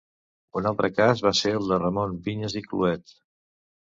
Un altre cas va ser el de Ramon Vinyes i Cluet.